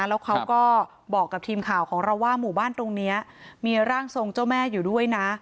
แล้วเขาก็บอกกับทีมข่าวของเราว่าหมู่บ้านตรงนี้มีร่างทรงเจ้าแม่อยู่ด้วยนะ